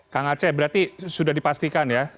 kang aceh berarti sudah dipastikan ya